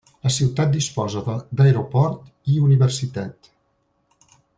La ciutat disposa d'aeroport i universitat.